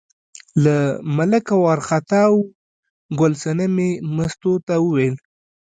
له ملکه وار خطا و، ګل صنمې مستو ته وویل.